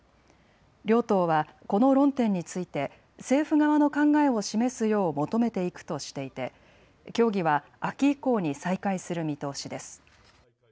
両党はこの論点について政府側の考えを示すよう求めていくとしていて協議は秋以降に再開する見通しです。